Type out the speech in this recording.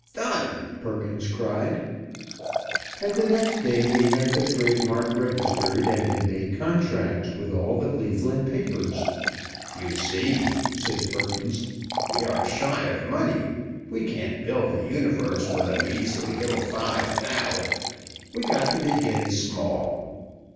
"Done!" Perkins cried. And the next day we had the trade mark registered, and had made contracts with all the Cleveland papers. "You see," said Perkins, "we are shy of money. We can't bill the universe with a measly little five thou. We've got to begin small.